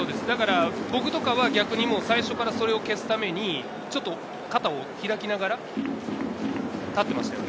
僕は最初からそれを消すために肩を開きながら、立っていました。